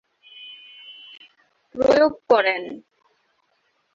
প্রয়োগ করেন।